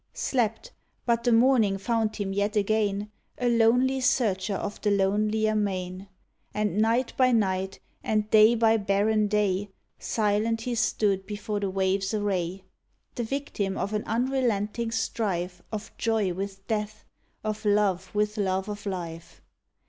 Slept, but the morning found him yet again A lonely searcher of the lonelier main; And night by night, and day by barren day, Silent he stood before the waves' array — The victim of an unrelenting strife Of joy with death, of love with love of life.